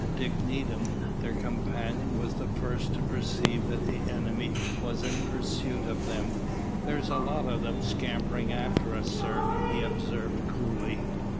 Dick Needham, their companion, was the first to perceive that the enemy was in pursuit of them. "There's a lot on 'em a scampering after us, sir," he observed coolly.